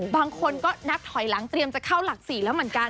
บางคนก็นับถอยหลังเตรียมจะเข้าหลัก๔แล้วเหมือนกัน